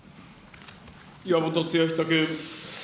岩本剛人君。